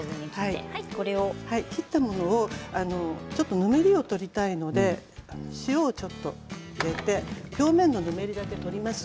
切ったもの、ちょっとぬめりを取りたいので塩をちょっと振って表面のぬめりだけ取ります。